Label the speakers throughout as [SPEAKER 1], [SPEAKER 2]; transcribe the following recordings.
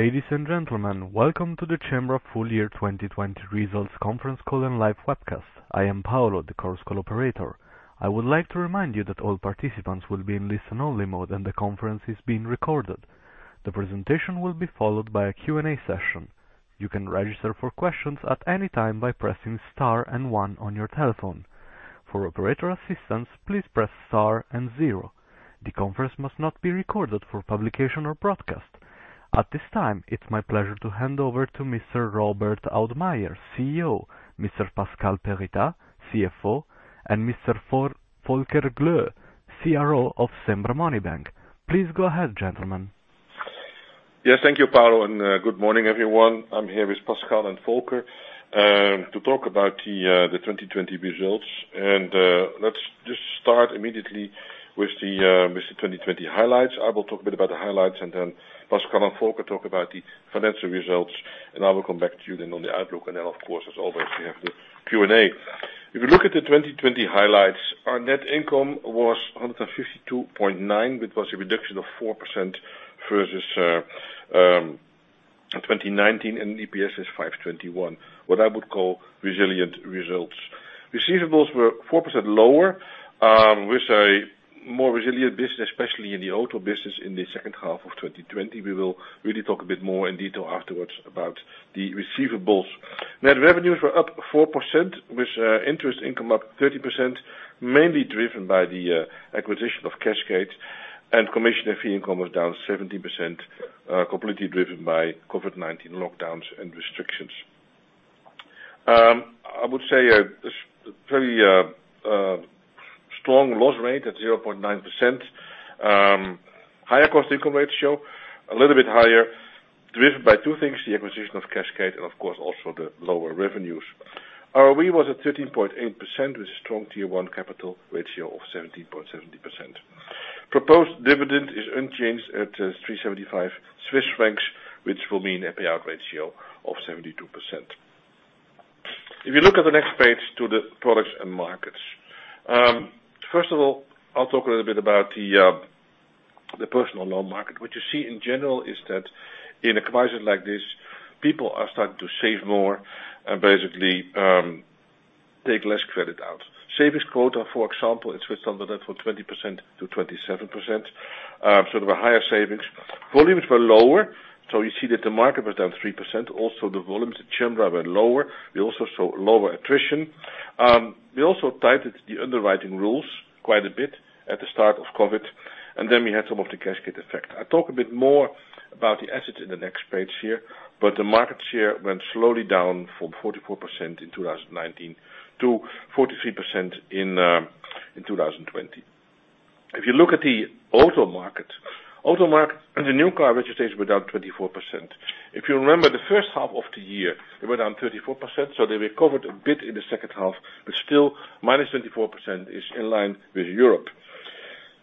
[SPEAKER 1] Ladies and gentlemen, welcome to the Cembra full year 2020 results conference call and live webcast. I am Paolo, the Chorus Call operator. I would like to remind you that all participants will be in listen-only mode and the conference is being recorded. The presentation will be followed by a Q&A session. You can register for questions at any time by pressing Star and One on your telephone. For operator assistance, please press Star and Zero. The conference must not be recorded for publication or broadcast. At this time, it's my pleasure to hand over to Mr. Robert Oudmayer, CEO, Mr. Pascal Perritaz, CFO, and Mr. Volker Gloe, CRO of Cembra Money Bank. Please go ahead, gentlemen.
[SPEAKER 2] Yes, thank you, Paolo, and good morning, everyone. I'm here with Pascal and Volker to talk about the 2020 results. Let's just start immediately with the 2020 highlights. I will talk a bit about the highlights and then Pascal and Volker talk about the financial results, and I will come back to you then on the outlook. Then of course, as always, we have the Q&A. If you look at the 2020 highlights, our net income was 152.9, which was a reduction of 4% versus 2019, and EPS is 5.21. What I would call resilient results. Receivables were 4% lower, with a more resilient business, especially in the auto business in the second half of 2020. We will really talk a bit more in detail afterwards about the receivables. Net revenues were up 4%, with interest income up 30%, mainly driven by the acquisition of cashgate. Commission and fee income was down 17%, completely driven by COVID-19 lockdowns and restrictions. I would say a very strong loss rate at 0.9%. Higher cost income ratio show a little bit higher, driven by two things, the acquisition of cashgate and of course, also the lower revenues. ROE was at 13.8%, with a strong Tier 1 capital ratio of 17.70%. Proposed dividend is unchanged at 3.75 Swiss francs, which will mean a payout ratio of 72%. If you look at the next page to the products and markets. First of all, I'll talk a little bit about the personal loan market. What you see in general is that in a crisis like this, people are starting to save more and basically take less credit out. Savings quota, for example, in Switzerland went from 20% to 27%, sort of a higher savings. Volumes were lower. You see that the market was down 3%. Also, the volumes at Cembra were lower. We also saw lower attrition. We also tightened the underwriting rules quite a bit at the start of COVID-19, and then we had some of the cashgate effect. I'll talk a bit more about the assets in the next page here, but the market share went slowly down from 44% in 2019 to 43% in 2020. If you look at the auto market. Auto market, the new car registrations were down 24%. If you remember the first half of the year, they were down 34%, so they recovered a bit in the second half, but still, -24% is in line with Europe.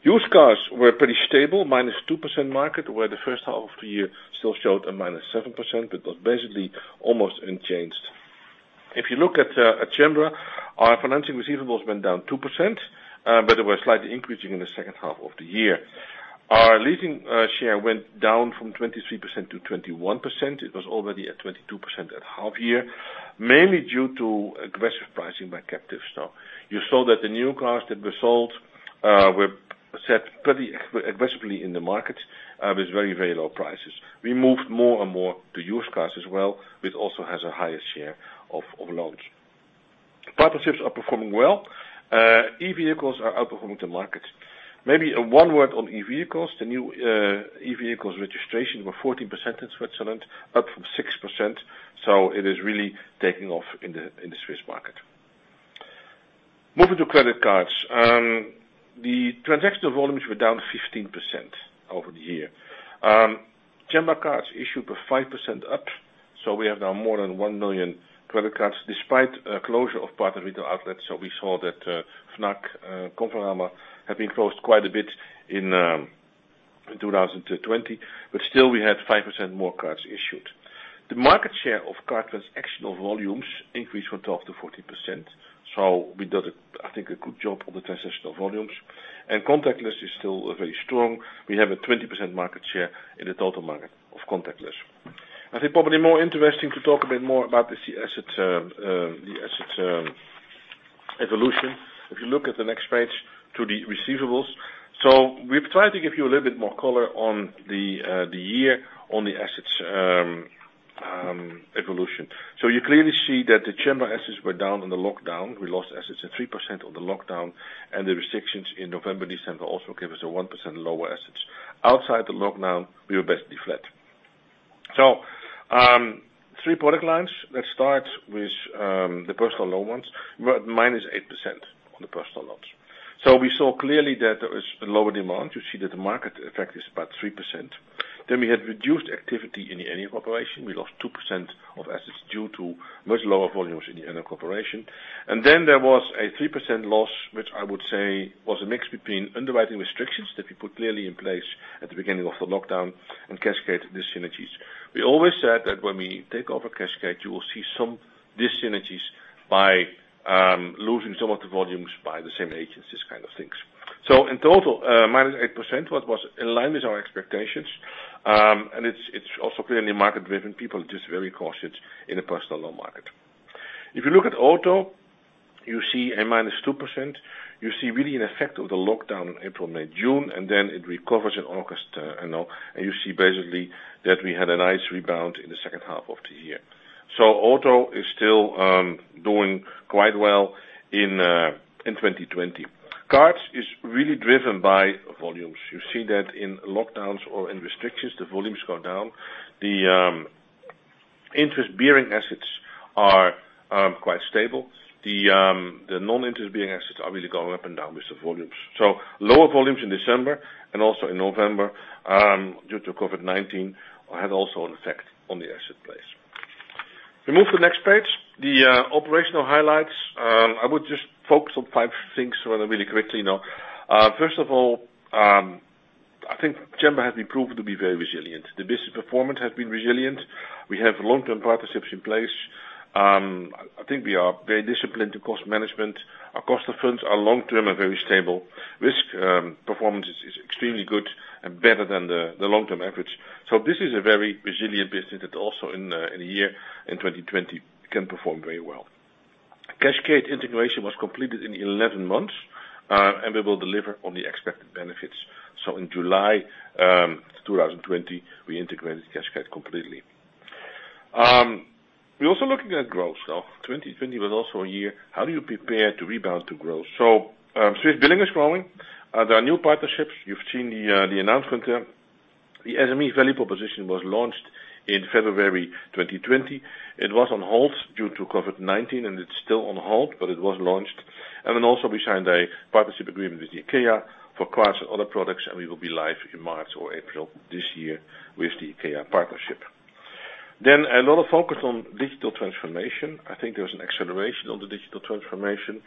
[SPEAKER 2] Used cars were pretty stable, -2% market, where the first half of the year still showed a -7%, but was basically almost unchanged. If you look at Cembra, our financing receivables went down 2%, but they were slightly increasing in the second half of the year. Our leasing share went down from 23% to 21%. It was already at 22% at half year, mainly due to aggressive pricing by captive. You saw that the new cars that were sold were set pretty aggressively in the market, with very, very low prices. We moved more and more to used cars as well, which also has a higher share of loans. Partnerships are performing well. E-vehicles are outperforming the market. Maybe one word on e-vehicles. The new e-vehicles registration were 14% in Switzerland, up from 6%. It is really taking off in the Swiss market. Moving to credit cards. The transactional volumes were down 15% over the year. Cembra cards issued were 5% up. We have now more than 1 million credit cards despite closure of partnering outlets. We saw that Fnac, Conforama, have been closed quite a bit in 2020, but still we had 5% more cards issued. The market share of card transactional volumes increased from 12% to 14%. We did, I think, a good job on the transactional volumes. Contactless is still very strong. We have a 20% market share in the total market of contactless. I think probably more interesting to talk a bit more about the asset evolution. If you look at the next page to the receivables. We've tried to give you a little bit more color on the year on the assets evolution. You clearly see that the Cembra assets were down in the lockdown. We lost assets at 3% on the lockdown, the restrictions in November, December also gave us a 1% lower assets. Outside the lockdown, we were basically flat. Three product lines. Let's start with the personal loan ones. We're at -8% on the personal loans. We saw clearly that there was a lower demand. You see that the market effect is about 3%. We had reduced activity in the NN Corporation, we lost 2% of assets due to much lower volumes in the NN Corporation. There was a 3% loss, which I would say was a mix between underwriting restrictions that we put clearly in place at the beginning of the lockdown and cashgate dyssynergies. We always said that when we take over cashgate, you will see some dyssynergies by losing some of the volumes by the same agencies kind of things. In total, -8%, was in line with our expectations, and it's also clearly market-driven. People are just very cautious in the personal loan market. If you look at auto, you see a -2%. You see really an effect of the lockdown in April, May, June, and then it recovers in August. You see basically that we had a nice rebound in the second half of the year. Auto is still doing quite well in 2020. Cards is really driven by volumes. You see that in lockdowns or in restrictions, the volumes go down. The interest-bearing assets are quite stable. The non-interest-bearing assets are really going up and down with the volumes. Lower volumes in December and also in November due to COVID-19 had also an effect on the asset base. We move to the next page, the operational highlights. I would just focus on five things really quickly now. First of all, I think Cembra has been proven to be very resilient. The business performance has been resilient. We have long-term partnerships in place. I think we are very disciplined to cost management. Our cost of funds are long-term and very stable. Risk performance is extremely good and better than the long-term average. This is a very resilient business that also in a year, in 2020, can perform very well. cashgate integration was completed in 11 months, and we will deliver on the expected benefits. In July 2020, we integrated cashgate completely. We're also looking at growth now. 2020 was also a year, how do you prepare to rebound to growth? Swissbilling is growing. There are new partnerships. You've seen the announcement there. The SME value proposition was launched in February 2020. It was on hold due to COVID-19, and it's still on hold, but it was launched. We signed a partnership agreement with IKEA for cards and other products, and we will be live in March or April this year with the IKEA partnership. A lot of focus on digital transformation. I think there's an acceleration on the digital transformation.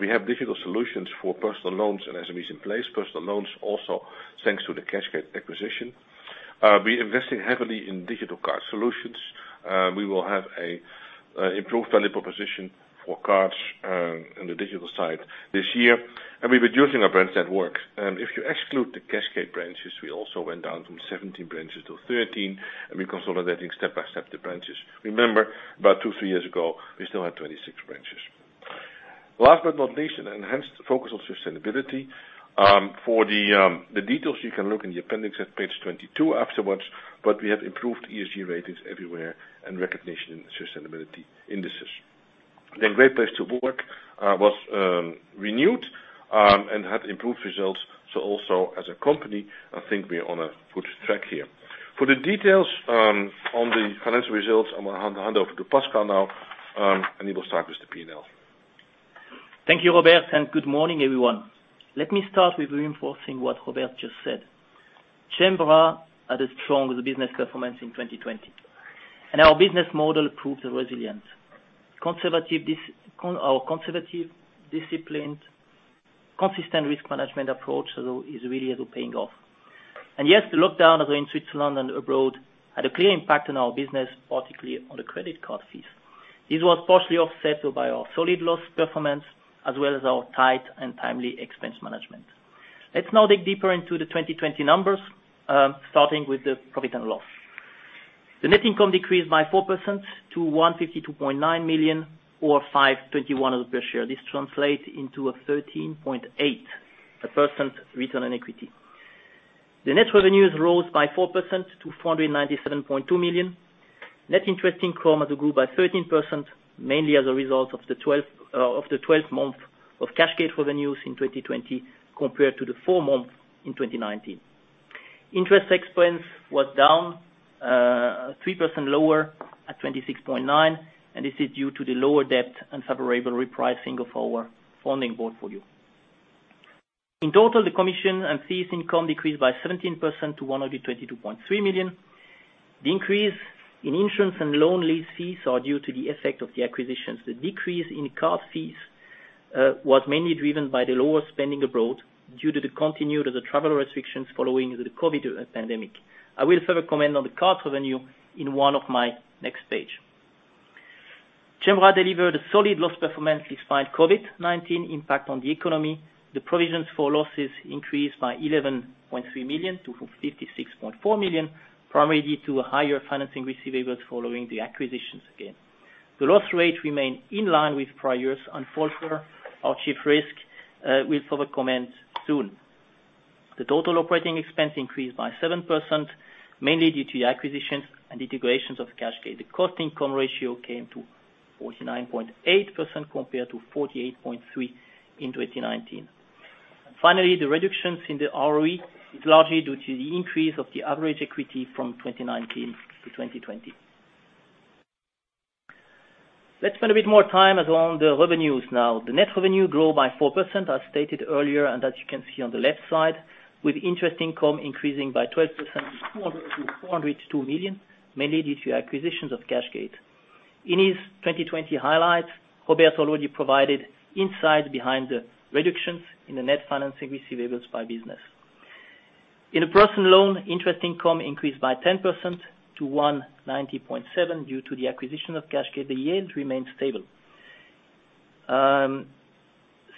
[SPEAKER 2] We have digital solutions for personal loans and SMEs in place. Personal loans also thanks to the cashgate acquisition. We're investing heavily in digital card solutions. We will have an improved value proposition for cards on the digital side this year. We're reducing our branch network. If you exclude the cashgate branches, we also went down from 17 branches to 13, we're consolidating step-by-step the branches. Remember, about two, three years ago, we still had 26 branches. Last but not least, an enhanced focus on sustainability. For the details, you can look in the appendix at page 22 afterwards, we have improved ESG ratings everywhere and recognition in sustainability indices. Great Place to Work was renewed and had improved results, also as a company, I think we're on a good track here. For the details on the financial results, I'm going to hand over to Pascal now, he will start with the P&L.
[SPEAKER 3] Thank you, Robert. Good morning, everyone. Let me start with reinforcing what Robert just said. Cembra had a strong business performance in 2020. Our business model proved resilience. Our conservative, disciplined, consistent risk management approach is really paying off. Yes, the lockdown in Switzerland and abroad had a clear impact on our business, particularly on the credit card fees. This was partially offset by our solid loss performance, as well as our tight and timely expense management. Let's now dig deeper into the 2020 numbers, starting with the profit and loss. The net income decreased by 4% to 152.9 million or CHF 5.21 of the share. This translates into a 13.8% return on equity. The net revenues rose by 4% to 497.2 million. Net interest income grew by 13%, mainly as a result of the 12 months of cashgate revenues in 2020 compared to the four months in 2019. Interest expense was down 3% lower at 26.9, and this is due to the lower debt and favorable repricing of our funding portfolio. In total, the commission and fees income decreased by 17% to 122.3 million. The increase in insurance and loan lease fees are due to the effect of the acquisitions. The decrease in card fees was mainly driven by the lower spending abroad due to the continued travel restrictions following the COVID-19 pandemic. I will further comment on the card revenue in one of my next page. Cembra delivered a solid loss performance despite COVID-19 impact on the economy. The provisions for losses increased by 11.3 million to 56.4 million, primarily due to higher financing receivables following the acquisitions again. The loss rate remained in line with prior years. Unfortunately, our chief risk officer will further comment soon. The total operating expense increased by 7%, mainly due to the acquisitions and integrations of cashgate. The cost-income ratio came to 49.8% compared to 48.3% in 2019. The reductions in the ROE is largely due to the increase of the average equity from 2019 to 2020. Let's spend a bit more time around the revenues now. The net revenue grew by 4%, as stated earlier, and as you can see on the left side, with interest income increasing by 12% from 400 million to 402 million, mainly due to acquisitions of cashgate. In his 2020 highlights, Robert already provided insight behind the reductions in the net financing receivables by business. In a personal loan, interest income increased by 10% to 190.7 million due to the acquisition of cashgate. The yield remains stable.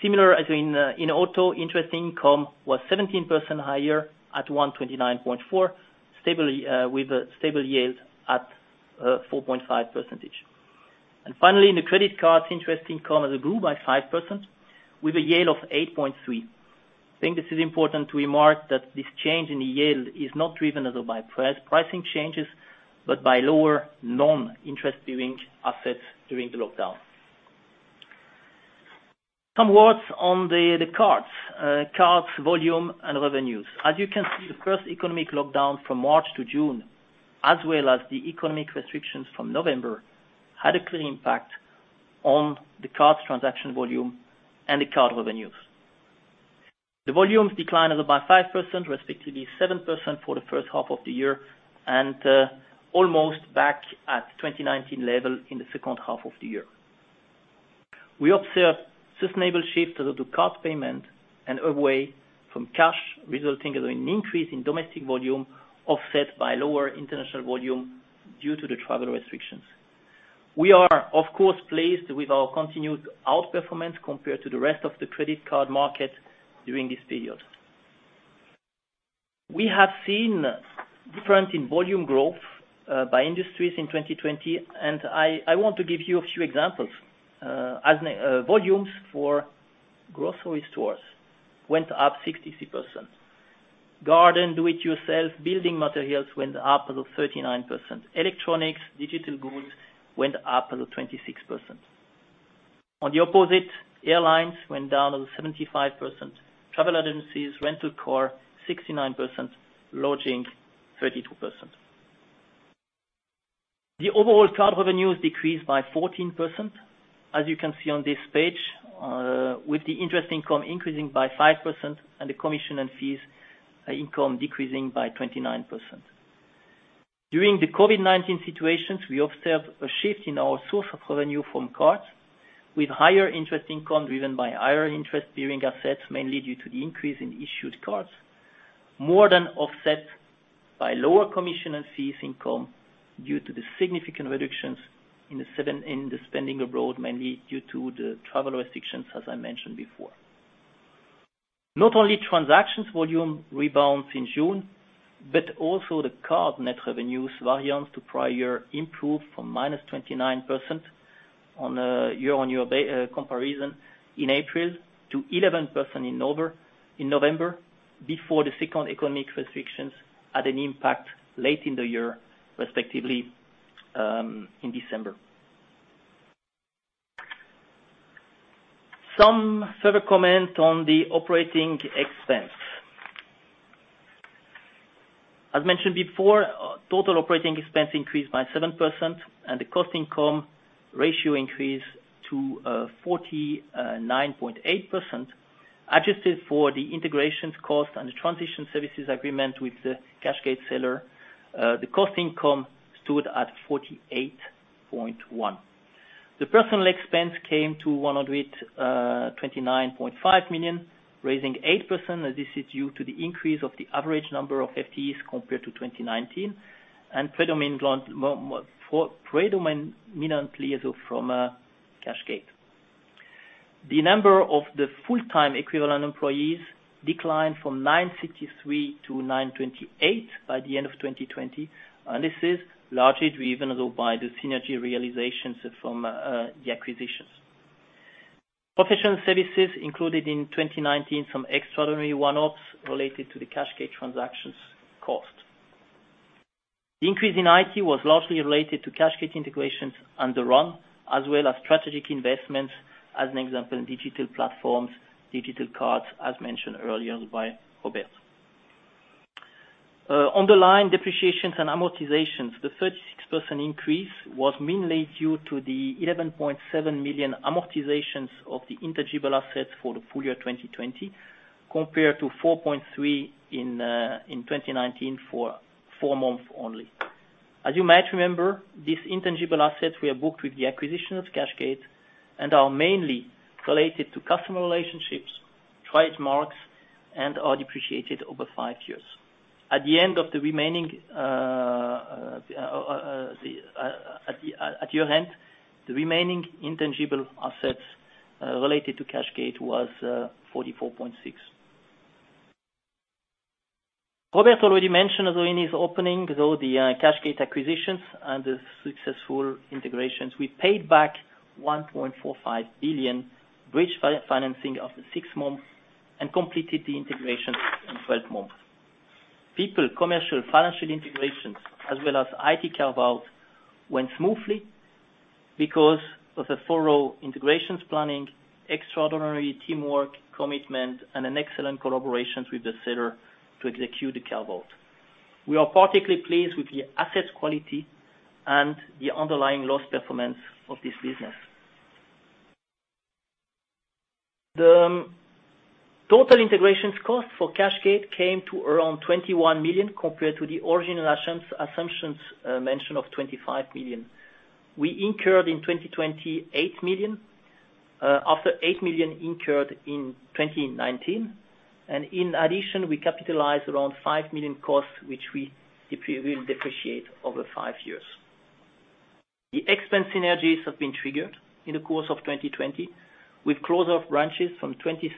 [SPEAKER 3] Similar as in auto, interest income was 17% higher at 129.4, with a stable yield at 4.5%. Finally, in the credit cards, interest income grew by 5% with a yield of 8.3%. I think this is important to remark that this change in the yield is not driven by pricing changes, but by lower non-interest-bearing assets during the lockdown. Some words on the cards volume and revenues. As you can see, the first economic lockdown from March to June, as well as the economic restrictions from November, had a clear impact on the cards transaction volume and the card revenues. The volumes declined by 5%, respectively 7% for the first half of the year, and almost back at 2019 level in the second half of the year. We observed sustainable shift to the card payment and away from cash, resulting in an increase in domestic volume offset by lower international volume due to the travel restrictions. We are, of course, pleased with our continued out-performance compared to the rest of the credit card market during this period. We have seen difference in volume growth, by industries in 2020. I want to give you a few examples. Volumes for grocery stores went up 63%. Garden, do it yourself, building materials went up to 39%. Electronics, digital goods went up to 26%. On the opposite, airlines went down to 75%. Travel agencies, rental car, 69%, lodging, 32%. The overall card revenues decreased by 14%, as you can see on this page, with the interest income increasing by 5% and the commission and fees income decreasing by 29%. During the COVID-19 situations, we observed a shift in our source of revenue from cards with higher interest income driven by higher interest-bearing assets, mainly due to the increase in issued cards, more than offset by lower commission and fees income due to the significant reductions in the spending abroad, mainly due to the travel restrictions, as I mentioned before. Not only transactions volume rebounds in June, but also the card net revenues variance to prior improved from -29% on a year-on-year comparison in April to 11% in November, before the second economic restrictions had an impact late in the year, respectively, in December. Some further comment on the operating expense. As mentioned before, total operating expense increased by 7% and the cost income ratio increased to 49.8%, adjusted for the integration cost and the transition services agreement with the cashgate seller. The cost income stood at 48.1%. The personal expense came to 129.5 million, raising 8%, as this is due to the increase of the average number of FTEs compared to 2019, and predominantly from cashgate. The number of the full-time equivalent employees declined from 963 to 928 by the end of 2020, and this is largely driven by the synergy realizations from the acquisitions. Professional services included in 2019 some extraordinary one-offs related to the cashgate transactions cost. The increase in IT was largely related to cashgate integrations on the run, as well as strategic investments, as an example, in digital platforms, digital cards, as mentioned earlier by Robert. Underlying depreciations and amortizations. The 36% increase was mainly due to the 11.7 million amortizations of the intangible assets for the full year 2020, compared to 4.3 million in 2019 for four months only. As you might remember, these intangible assets were booked with the acquisition of cashgate and are mainly related to customer relationships, trademarks, and are depreciated over five years. At year-end, the remaining intangible assets related to cashgate was CHF 44.6. Robert already mentioned in his opening, the cashgate acquisitions and the successful integrations. We paid back 1.45 billion bridge financing after six months and completed the integration in 12 months. People, commercial, financial integrations, as well as IT carve-out went smoothly because of the thorough integrations planning, extraordinary teamwork, commitment, and an excellent collaboration with the seller to execute the carve-out. We are particularly pleased with the asset quality and the underlying loss performance of this business. The total integrations cost for cashgate came to around 21 million, compared to the original assumptions mention of 25 million. We incurred in 2020, 8 million. After 8 million incurred in 2019. In addition, we capitalized around 5 million costs, which we will depreciate over five years. The expense synergies have been triggered in the course of 2020, with close off branches from 26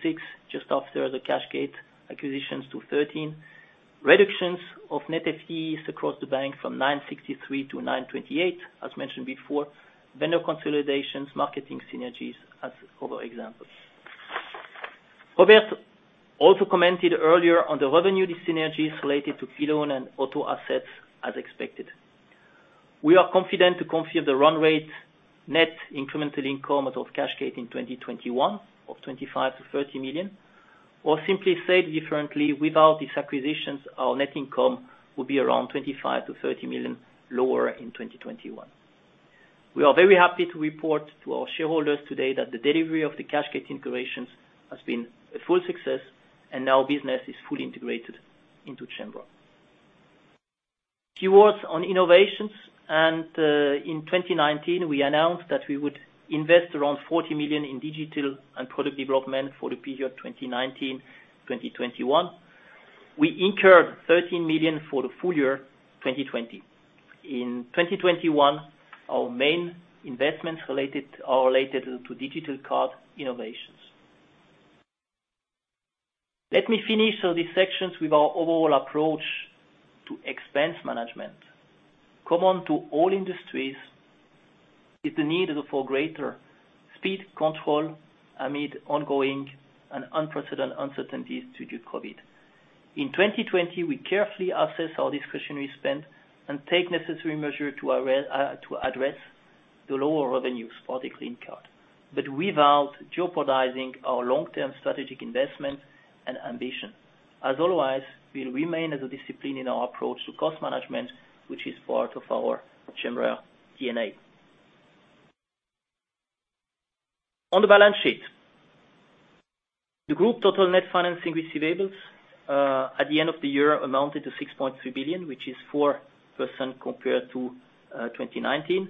[SPEAKER 3] just after the cashgate acquisitions to 13. Reductions of net FTEs across the bank from 963 to 928, as mentioned before. Vendor consolidations, marketing synergies as other examples. Robert also commented earlier on the revenue dyssynergies related to Filone and Auto assets as expected. We are confident to confirm the run rate net incremental income out of cashgate in 2021, of 25 million-30 million, or simply said differently, without these acquisitions, our net income will be around 25 million-30 million lower in 2021. We are very happy to report to our shareholders today that the delivery of the cashgate integrations has been a full success, and now business is fully integrated into Cembra. Few words on innovations. In 2019, we announced that we would invest around 40 million in digital and product development for the period 2019, 2021. We incurred 13 million for the full year 2020. In 2021, our main investments are related to digital card innovations. Let me finish these sections with our overall approach to expense management. Common to all industries is the need for greater speed control amid ongoing and unprecedented uncertainties due to COVID-19. In 2020, we carefully assess our discretionary spend and take necessary measure to address the lower revenues for the Green Card, but without jeopardizing our long-term strategic investments and ambition. As always, we'll remain as a discipline in our approach to cost management, which is part of our Cembra DNA. On the balance sheet. The group total net financing receivables at the end of the year amounted to 6.3 billion, which is 4% compared to 2019.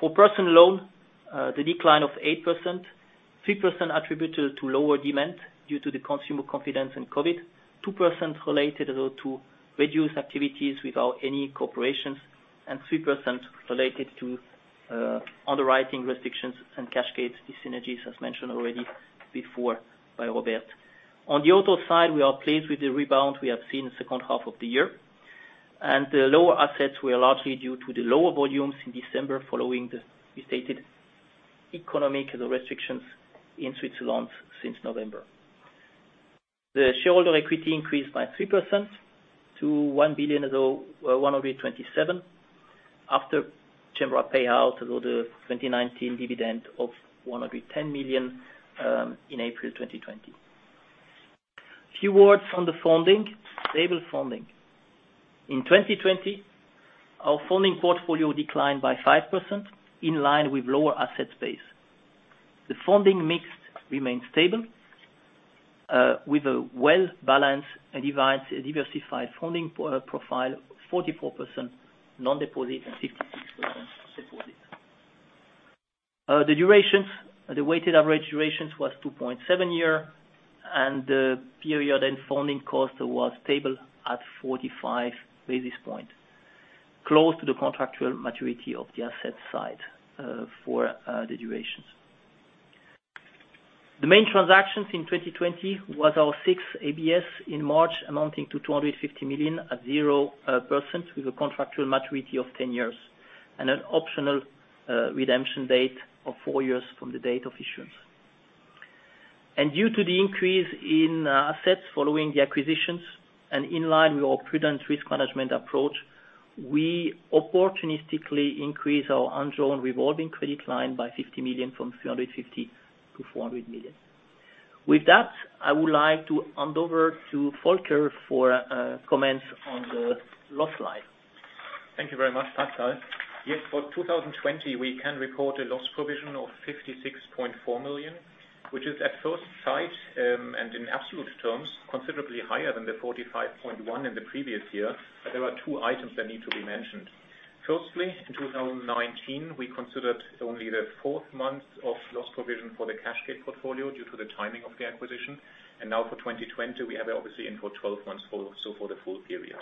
[SPEAKER 3] For personal loan, the decline of 8%, 3% attributed to lower demand due to the consumer confidence in COVID-19, 2% related to reduced activities without any cooperations, and 3% related to underwriting restrictions and cashgate dyssynergies, as mentioned already before by Robert. On the Auto side, we are pleased with the rebound we have seen second half of the year, and the lower assets were largely due to the lower volumes in December following the restated economic restrictions in Switzerland since November. The shareholder equity increased by 3% to 1.127 billion after Cembra payout of the 2019 dividend of 110 million in April 2020. A few words on the funding, stable funding. In 2020, our funding portfolio declined by 5%, in line with lower asset base. The funding mix remains stable, with a well-balanced and diversified funding profile, 44% non-deposit and 56% deposit. The weighted average durations was 2.7 year, and the period end funding cost was stable at 45 basis point, close to the contractual maturity of the asset side for the durations. The main transactions in 2020 was our sixth ABS in March, amounting to 250 million at 0% with a contractual maturity of 10 years, and an optional redemption date of four years from the date of issuance. Due to the increase in assets following the acquisitions and in line with our prudent risk management approach, we opportunistically increase our undrawn revolving credit line by 50 million from 350 million-400 million. With that, I would like to hand over to Volker for comments on the loss line.
[SPEAKER 4] Thank you very much, Pascal. Yes, for 2020, we can report a loss provision of 56.4 million, which is at first sight, and in absolute terms, considerably higher than the 45.1 in the previous year. There are two items that need to be mentioned. Firstly, in 2019, we considered only the fourth month of loss provision for the cashgate portfolio due to the timing of the acquisition. Now for 2020, we have it obviously in for 12 months, so for the full period.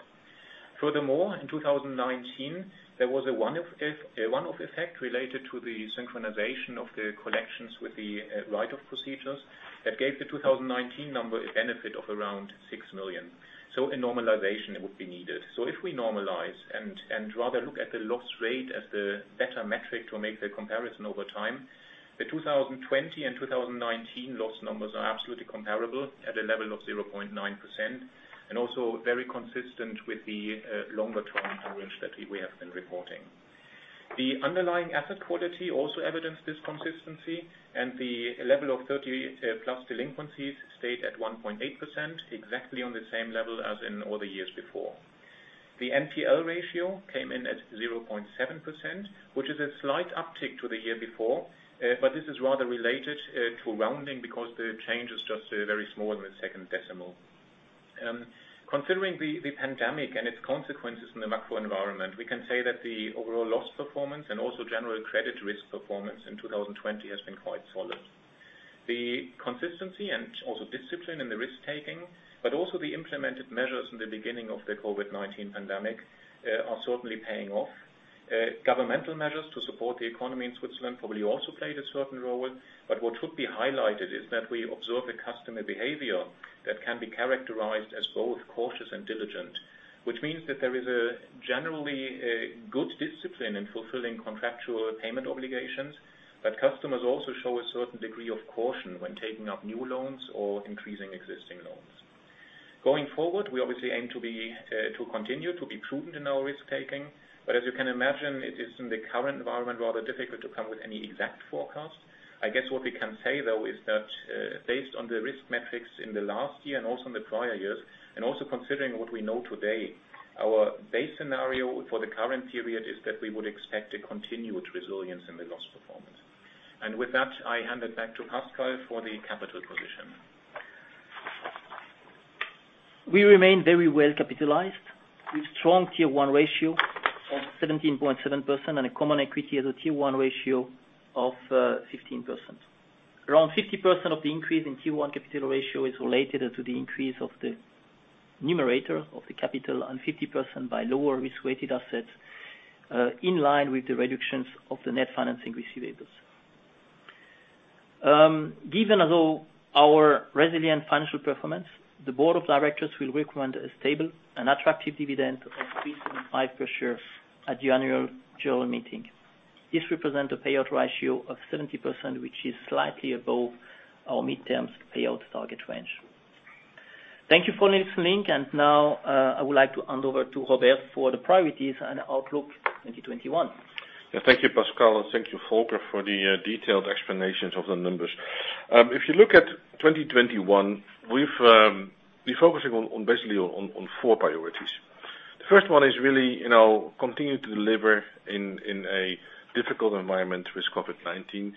[SPEAKER 4] Furthermore, in 2019, there was a one-off effect related to the synchronization of the collections with the write-off procedures that gave the 2019 number a benefit of around 6 million. A normalization would be needed. If we normalize and rather look at the loss rate as the better metric to make the comparison over time, the 2020 and 2019 loss numbers are absolutely comparable at a level of 0.9% and also very consistent with the longer-term average that we have been reporting. The underlying asset quality also evidenced this consistency, and the level of 30+ delinquencies stayed at 1.8%, exactly on the same level as in all the years before. The NPL ratio came in at 0.7%, which is a slight uptick to the year before. This is rather related to rounding because the change is just very small in the second decimal. Considering the pandemic and its consequences in the macro environment, we can say that the overall loss performance and also general credit risk performance in 2020 has been quite solid. The consistency and also discipline in the risk-taking, but also the implemented measures in the beginning of the COVID-19 pandemic are certainly paying off. Governmental measures to support the economy in Switzerland probably also played a certain role, but what should be highlighted is that we observe a customer behavior that can be characterized as both cautious and diligent. Which means that there is a generally good discipline in fulfilling contractual payment obligations, but customers also show a certain degree of caution when taking up new loans or increasing existing loans. Going forward, we obviously aim to continue to be prudent in our risk-taking, but as you can imagine, it is, in the current environment, rather difficult to come with any exact forecast. I guess what we can say, though, is that based on the risk metrics in the last year and also in the prior years, and also considering what we know today, our base scenario for the current period is that we would expect a continued resilience in the loss performance. With that, I hand it back to Pascal for the capital position.
[SPEAKER 3] We remain very well capitalized with strong Tier 1 ratio of 17.7% and a common equity as a Tier 1 ratio of 15%. Around 50% of the increase in Tier 1 capital ratio is related to the increase of the numerator of the capital and 50% by lower risk weighted assets, in line with the reductions of the net financing receivables. Given our resilient financial performance, the board of directors will recommend a stable and attractive dividend of 3.5% at the annual general meeting. This represent a payout ratio of 70%, which is slightly above our mid-term payout target range. Thank you for listening, and now, I would like to hand over to Robert for the priorities and outlook 2021.
[SPEAKER 2] Thank you, Pascal. Thank you, Volker, for the detailed explanations of the numbers. If you look at 2021, we've been focusing basically on four priorities. The first one is really continue to deliver in a difficult environment with COVID-19.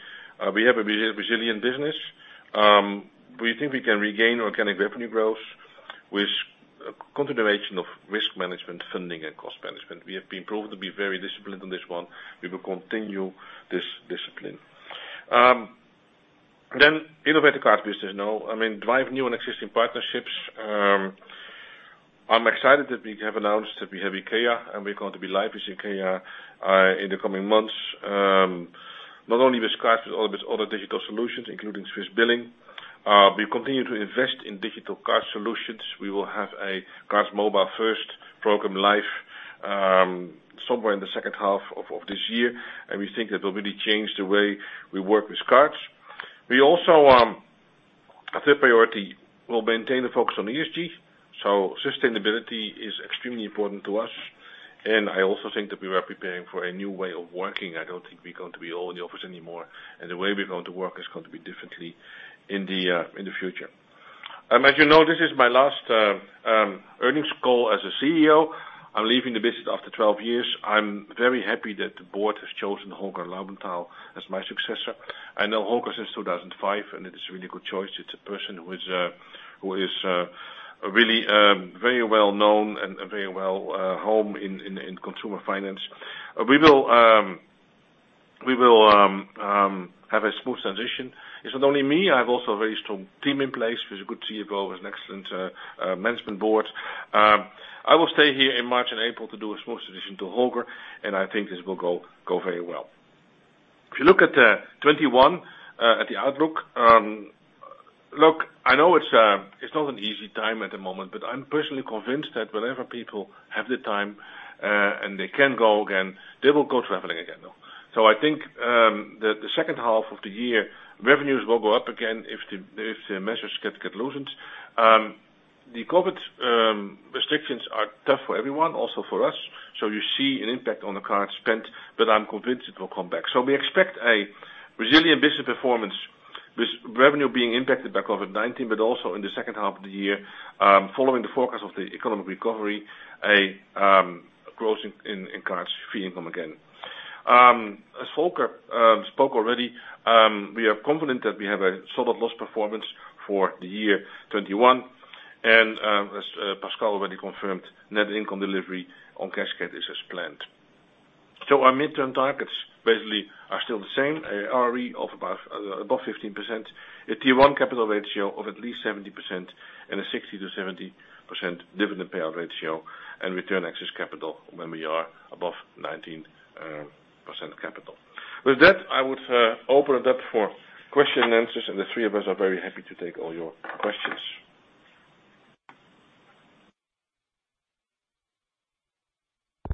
[SPEAKER 2] We have a resilient business. We think we can regain organic revenue growth with continuation of risk management funding and cost management. We have been proved to be very disciplined on this one. We will continue this discipline. Innovate the card business now, drive new and existing partnerships. I'm excited that we have announced that we have IKEA, and we're going to be live with IKEA in the coming months. Not only with cards, but with other digital solutions, including Swissbilling. We continue to invest in digital card solutions. We will have a cards mobile-first program live somewhere in the second half of this year, and we think it will really change the way we work with cards. Our third priority, we'll maintain the focus on ESG. Sustainability is extremely important to us. I also think that we are preparing for a new way of working. I don't think we're going to be all in the office anymore. The way we're going to work is going to be differently in the future. As you know, this is my last earnings call as a CEO. I'm leaving the business after 12 years. I'm very happy that the board has chosen Holger Laubenthal as my successor. I know Holger since 2005. It is a really good choice. It's a person who is really very well-known and very well home in consumer finance. We will have a smooth transition. It's not only me. I have also a very strong team in place with a good CFO and excellent management board. I will stay here in March and April to do a smooth transition to Holger, and I think this will go very well. If you look at 2021, at the outlook. Look, I know it's not an easy time at the moment, but I'm personally convinced that whenever people have the time and they can go again, they will go traveling again, though. I think, the second half of the year, revenues will go up again if the measures get loosened. The COVID-19 restrictions are tough for everyone, also for us, so you see an impact on the card spend, but I'm convinced it will come back. We expect a resilient business performance with revenue being impacted by COVID-19, but also in the second half of the year, following the forecast of the economic recovery, a growth in cards fee income again. As Volker spoke already, we are confident that we have a solid loss performance for the year 2021. As Pascal already confirmed, net income delivery on cashgate is as planned. Our midterm targets basically are still the same, a ROE of above 15%, a Tier 1 capital ratio of at least 70%, and a 60%-70% dividend payout ratio. Return excess capital when we are above 19% capital. With that, I would open it up for question and answers. The three of us are very happy to take all your questions.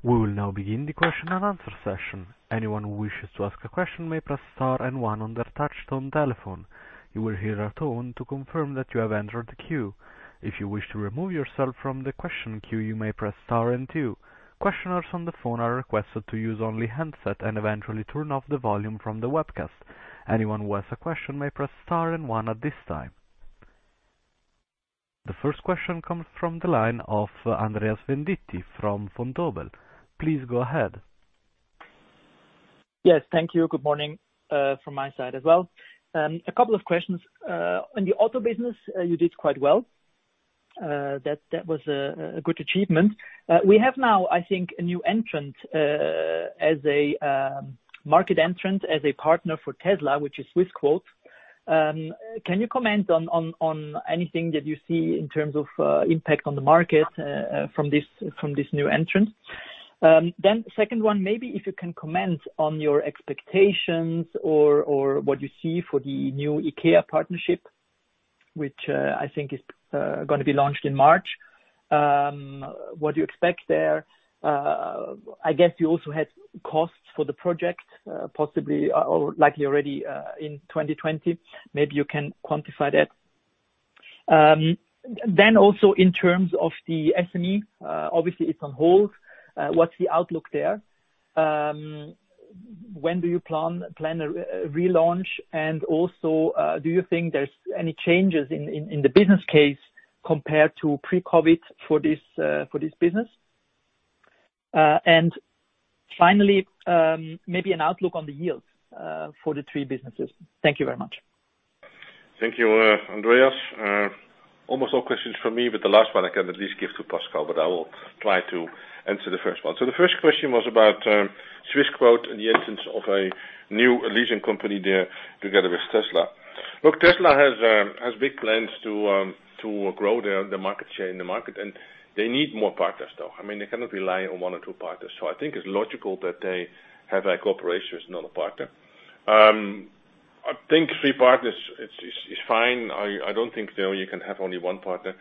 [SPEAKER 1] We will now begin the question and answer session. Anyone who wishes to ask a question may press star and one on their touch-tone telephone. You will hear a tone to confirm that you have entered the queue. If you wish to remove yourself from the question queue, you may press star and two. Questioners on the phone are requested to use only handset and eventually turn off the volume from the webcast. Anyone who has a question may press star and one at this time. The first question comes from the line of Andreas Venditti from Vontobel. Please go ahead.
[SPEAKER 5] Yes. Thank you. Good morning from my side as well. A couple of questions. On the auto business, you did quite well. That was a good achievement. We have now, I think, a new entrant as a market entrant as a partner for Tesla, which is Swissquote. Can you comment on anything that you see in terms of impact on the market from this new entrant? Second one, maybe if you can comment on your expectations or what you see for the new IKEA partnership, which I think is going to be launched in March. What do you expect there? I guess you also had costs for the project, possibly, or likely already in 2020. Maybe you can quantify that. Also in terms of the SME, obviously it's on hold. What's the outlook there? When do you plan a relaunch, and also, do you think there's any changes in the business case compared to pre-COVID for this business? Finally, maybe an outlook on the yields for the three businesses. Thank you very much.
[SPEAKER 2] Thank you, Andreas. Almost all questions for me, but the last one I can at least give to Pascal, but I will try to answer the first one. The first question was about Swissquote and the entrance of a new leasing company there together with Tesla. Look, Tesla has big plans to grow their market share in the market, and they need more partners though. They cannot rely on one or two partners. I think it's logical that they have a cooperation with another partner. I think three partners is fine. I don't think there you can have only one partner.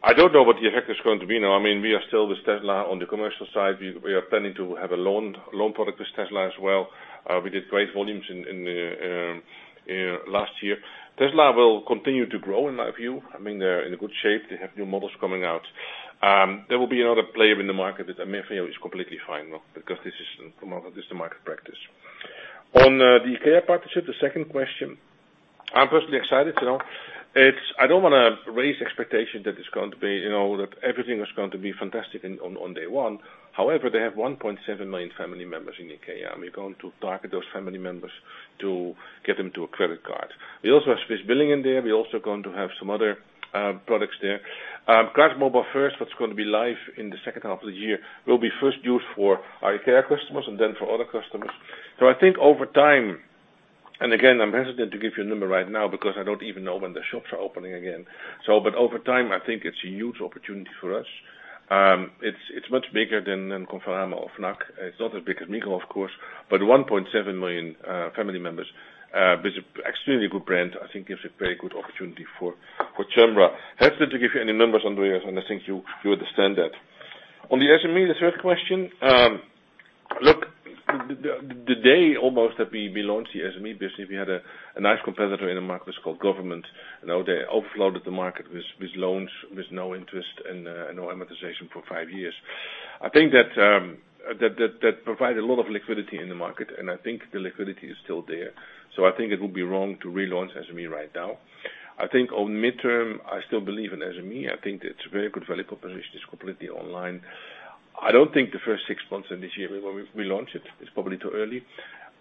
[SPEAKER 2] I don't know what the effect is going to be now. We are still with Tesla on the commercial side. We are planning to have a loan product with Tesla as well. We did great volumes in last year. Tesla will continue to grow, in my view. They're in a good shape. They have new models coming out. There will be another player in the market, but in my view it's completely fine because this is the market practice. On the IKEA partnership, the second question. I'm personally excited. I don't want to raise expectations that everything is going to be fantastic on day one. However, they have 1.7 million family members in IKEA, and we're going to target those family members to get them to a credit card. We also have Swissbilling in there. We're also going to have some other products there. Card Mobile first, what's going to be live in the second half of the year, will be first used for IKEA customers and then for other customers. I think over time, and again, I'm hesitant to give you a number right now because I don't even know when the shops are opening again. Over time, I think it's a huge opportunity for us. It's much bigger than Conforama or Fnac. It's not as big as Migros, of course, but 1.7 million family members with extremely good brand, I think gives a very good opportunity for Cembra. Hesitant to give you any numbers, Andreas, and I think you understand that. On the SME, the third question. Look, the day almost that we launched the SME business, we had a nice competitor in the market that's called government, and how they offloaded the market with loans, with no interest and no amortization for five years. I think that provided a lot of liquidity in the market, and I think the liquidity is still there. I think it would be wrong to relaunch SME right now. I think on midterm, I still believe in SME. I think that it's a very good value proposition. It's completely online. I don't think the first six months in this year we launch it. It's probably too early.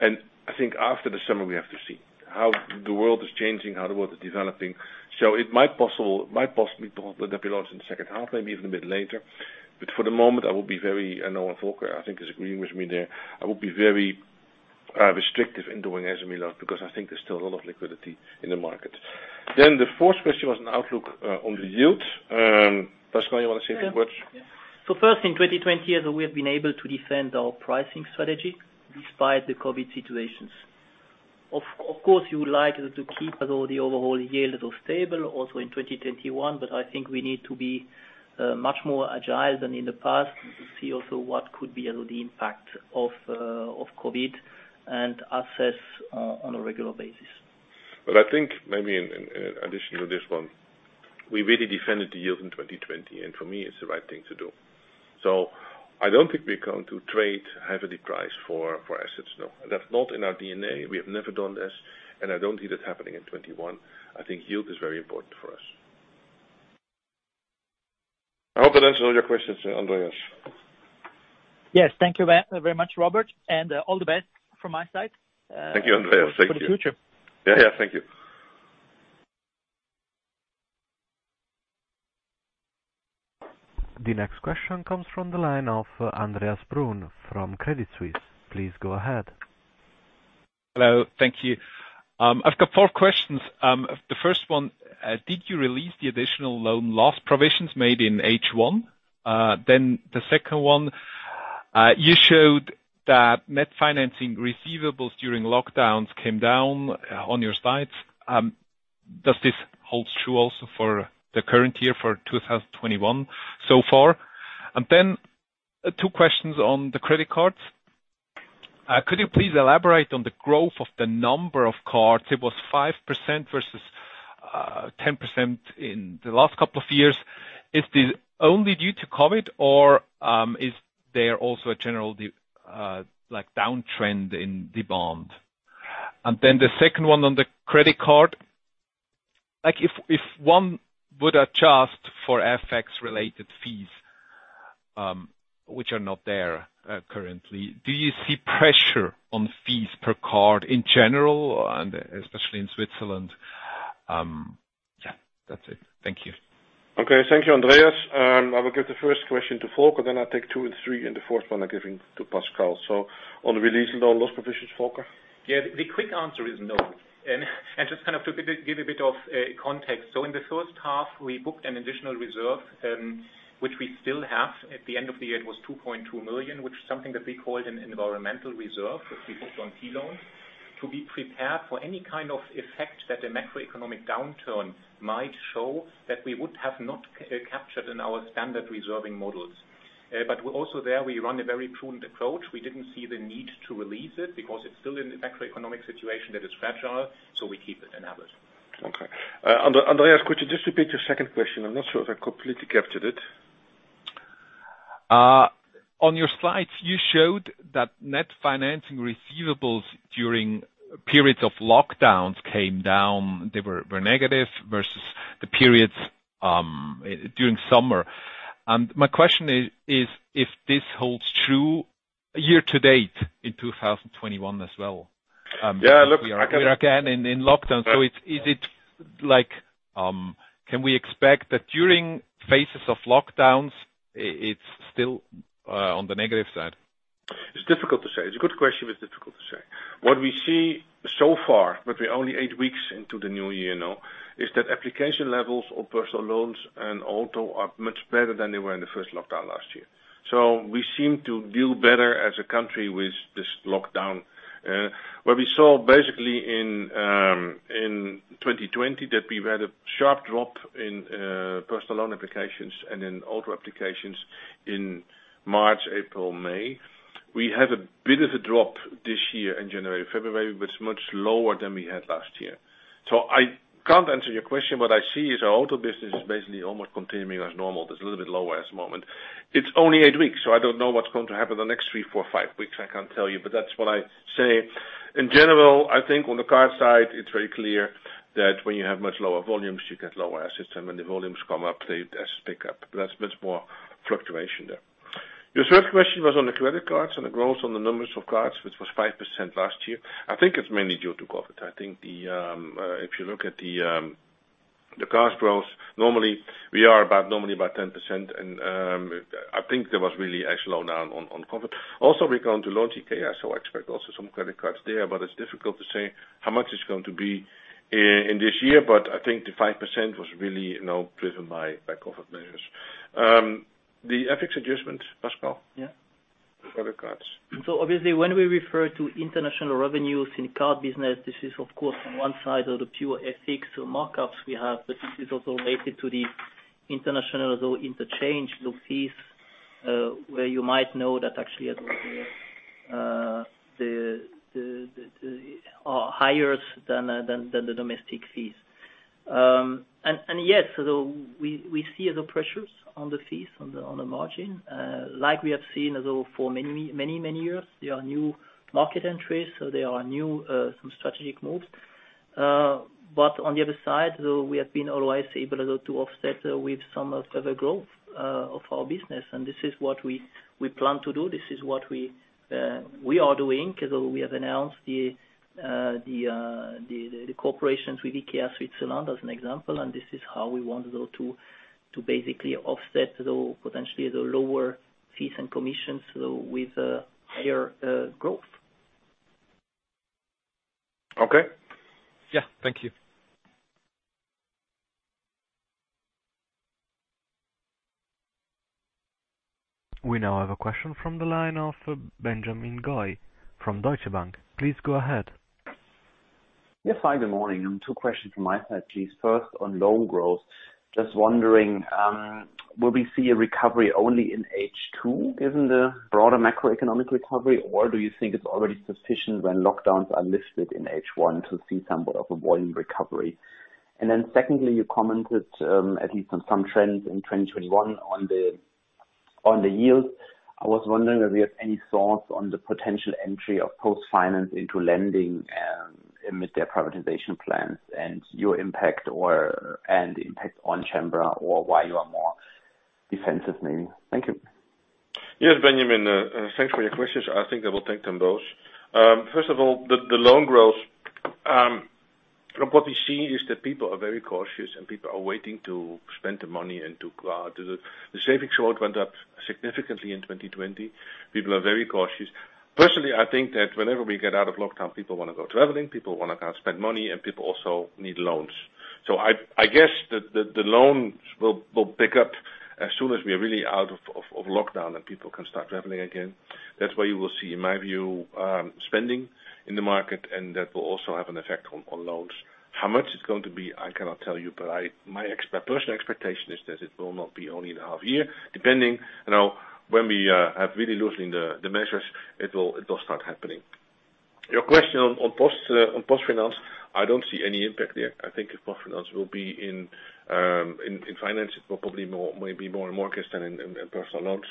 [SPEAKER 2] I think after the summer, we have to see how the world is changing, how the world is developing. It might possibly be launched in the second half, maybe even a bit later. For the moment, I will be very, I know Volker, I think, is agreeing with me there. I will be very restrictive in doing SME launch because I think there's still a lot of liquidity in the market. The fourth question was on outlook on the yield. Pascal, you want to say a few words?
[SPEAKER 3] First, in 2020, as we have been able to defend our pricing strategy despite the COVID situations. Of course, you would like to keep the overall yield stable also in 2021, but I think we need to be much more agile than in the past to see also what could be the impact of COVID and assess on a regular basis.
[SPEAKER 2] I think maybe in addition to this one, we really defended the yield in 2020, and for me, it's the right thing to do. I don't think we're going to trade heavily price for assets, no. That's not in our DNA. We have never done this, and I don't see that happening in 2021. I think yield is very important for us. I hope I answered all your questions, Andreas.
[SPEAKER 5] Yes. Thank you very much, Robert, and all the best from my side.
[SPEAKER 2] Thank you, Andreas. Thank you.
[SPEAKER 5] For the future.
[SPEAKER 2] Yeah. Thank you.
[SPEAKER 1] The next question comes from the line of Andreas Brun from Credit Suisse. Please go ahead.
[SPEAKER 6] Hello. Thank you. I've got four questions. The first one, did you release the additional loan loss provisions made in H1? The second one, you showed that net financing receivables during lockdowns came down on your sides. Does this hold true also for the current year for 2021 so far? Two questions on the credit cards. Could you please elaborate on the growth of the number of cards? It was 5% versus 10% in the last couple of years. Is this only due to COVID-19 or is there also a general downtrend in demand? The second one on the credit card. If one would adjust for FX related fees, which are not there currently, do you see pressure on fees per card in general and especially in Switzerland? Yeah, that's it. Thank you.
[SPEAKER 2] Okay. Thank you, Andreas. I will give the first question to Volker, then I take two and three and the fourth one I'm giving to Pascal. On release loan loss provisions, Volker.
[SPEAKER 4] Yeah. The quick answer is no. Just to give a bit of context. In the first half, we booked an additional reserve, which we still have. At the end of the year, it was 2.2 million, which is something that we called an environmental reserve, which we booked on key loans to be prepared for any kind of effect that the macroeconomic downturn might show that we would have not captured in our standard reserving models. Also there, we run a very prudent approach. We didn't see the need to release it because it's still in the macroeconomic situation that is fragile, so we keep it enabled.
[SPEAKER 2] Okay. Andreas, could you just repeat your second question? I'm not sure if I completely captured it.
[SPEAKER 6] On your slides, you showed that net financing receivables during periods of lockdowns came down. They were negative versus the periods during summer. My question is if this holds true year to date in 2021 as well.
[SPEAKER 2] Yeah,
[SPEAKER 6] Again in lockdown. Can we expect that during phases of lockdowns, it's still on the negative side?
[SPEAKER 2] It's difficult to say. It's a good question, but it's difficult to say. What we see so far, but we're only eight weeks into the new year now, is that application levels of personal loans and auto are much better than they were in the first lockdown last year. We seem to deal better as a country with this lockdown. What we saw basically in 2020, that we've had a sharp drop in personal loan applications and in auto applications in March, April, May. We had a bit of a drop this year in January, February, but it's much lower than we had last year. I can't answer your question. What I see is our auto business is basically almost continuing as normal. It's a little bit lower at this moment. It's only eight weeks, so I don't know what's going to happen the next three, four, five weeks. I can't tell you, but that's what I say. In general, I think on the card side, it's very clear that when you have much lower volumes, you get lower assets, and when the volumes come up, the assets pick up. That's more fluctuation there. Your third question was on the credit cards and the growth on the numbers of cards, which was 5% last year. I think it's mainly due to COVID. I think if you look at the cards growth, normally we are about 10%, and I think there was really actual slowdown on COVID. Also, we come to launch IKEA, so I expect also some credit cards there, but it's difficult to say how much it's going to be in this year. I think the 5% was really now driven by COVID measures. The FX adjustment, Pascal.
[SPEAKER 3] Yeah.
[SPEAKER 2] Credit cards.
[SPEAKER 3] Obviously, when we refer to international revenues in card business, this is of course, on one side of the pure FX or markups we have, but this is also related to the international interchange fees, where you might know that actually are highest than the domestic fees. Yes, we see the pressures on the fees on the margin, like we have seen for many years. There are new market entries, there are some strategic moves. On the other side, we have been always able to offset with some of the growth of our business, this is what we plan to do. This is what we are doing because we have announced the cooperation with IKEA Switzerland as an example. This is how we want to basically offset potentially the lower fees and commissions with higher growth.
[SPEAKER 2] Okay.
[SPEAKER 6] Yeah. Thank you.
[SPEAKER 1] We now have a question from the line of Benjamin Goy from Deutsche Bank. Please go ahead.
[SPEAKER 7] Yes. Hi, good morning. Two questions from my side, please. First on loan growth. Just wondering, will we see a recovery only in H2 given the broader macroeconomic recovery? Do you think it's already sufficient when lockdowns are lifted in H1 to see some of a volume recovery? Secondly, you commented, at least on some trends in 2021 on the yields. I was wondering if you have any thoughts on the potential entry of PostFinance into lending amid their privatization plans and your impact on Cembra or why you are more defensive maybe. Thank you.
[SPEAKER 2] Yes, Benjamin. Thanks for your questions. I think I will take them both. First of all, the loan growth. From what we see is that people are very cautious and people are waiting to spend the money and to go out. The savings went up significantly in 2020. People are very cautious. Personally, I think that whenever we get out of lockdown, people want to go traveling, people want to go out spend money, and people also need loans. I guess the loans will pick up as soon as we are really out of lockdown and people can start traveling again. That's where you will see, in my view, spending in the market, and that will also have an effect on loans. How much it's going to be, I cannot tell you, but my personal expectation is that it will not be only in a half year. Depending when we have really loosening the measures, it will start happening. Your question on PostFinance, I don't see any impact there. I think PostFinance will be in finance, probably maybe more in mortgage than in personal loans.